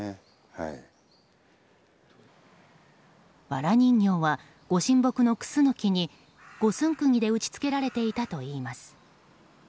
わら人形は御神木のクスノキに、五寸釘で打ち付けられていたといいます。